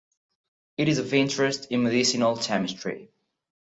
It is of interest in medicinal chemistry.